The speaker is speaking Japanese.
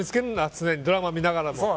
常に、ドラマ見ながらも。